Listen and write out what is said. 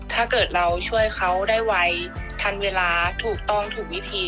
ถ้าเกิดเราช่วยเขาได้ไวทันเวลาถูกต้องถูกวิธี